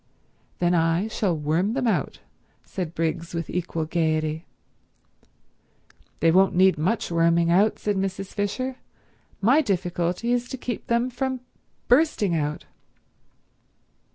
"Then I shall worm them out," said Briggs with equal gaiety. "They won't need much worming out," said Mrs. Fisher. "My difficulty is to keep them from bursting out."